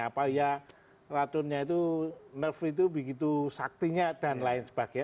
apa ya racunnya itu nervo itu begitu saktinya dan lain sebagainya